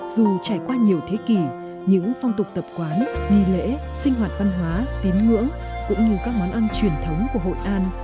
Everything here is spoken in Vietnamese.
dù trải qua nhiều thế kỷ những phong tục tập quán nghi lễ sinh hoạt văn hóa tín ngưỡng cũng như các món ăn truyền thống của hội an